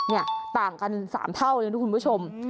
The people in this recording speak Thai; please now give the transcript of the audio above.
เนี่ยต่างกัน๓เท่าเลยนะคุณผู้ชม